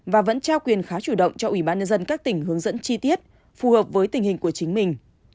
và vẫn trao quyền khá chủ động cho ủy ban nhân dân các tỉnh hướng dẫn chi tiết phù hợp với tình hình của chính mình